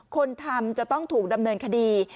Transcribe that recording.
คนทำจะต้องถูกดำเนินคดี